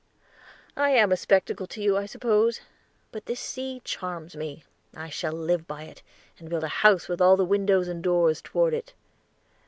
"I am a spectacle to you, I suppose. But this sea charms me; I shall live by it, and build a house with all the windows and doors toward it."